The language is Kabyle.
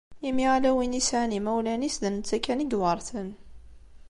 Imi ala win i sεan yimawlan-is, d netta kan i iweṛten.